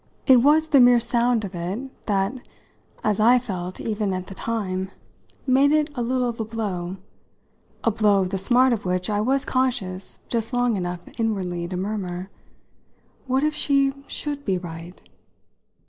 It was the mere sound of it that, as I felt even at the time, made it a little of a blow a blow of the smart of which I was conscious just long enough inwardly to murmur: "What if she should be right?"